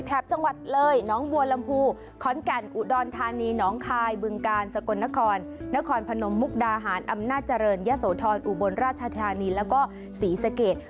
จังหวัดเลยน้องบัวลำพูขอนแก่นอุดรธานีน้องคายบึงกาลสกลนครนครพนมมุกดาหารอำนาจเจริญยะโสธรอุบลราชธานีแล้วก็ศรีสะเกด